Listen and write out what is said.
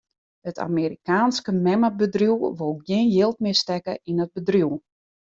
It Amerikaanske memmebedriuw wol gjin jild mear stekke yn it bedriuw.